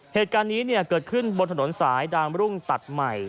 เหตุการณ์นี้เกิดขึ้นบนถนนสายดามรุ่งตัดใหม่